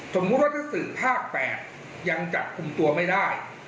สมมุติว่าถ้าสื่อภาค๘ยังจับคุมตัวไม่ได้